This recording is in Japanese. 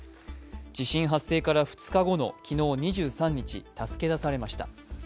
地震発生から２日後の昨日２３日助け出されました。